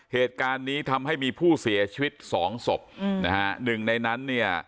เหตุการณ์นี้ทำให้มีผู้เสียชีวิตสองศพอืมนะฮะหนึ่งในนั้นเนี่ย